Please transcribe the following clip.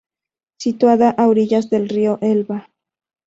Situada a orillas del río Elba.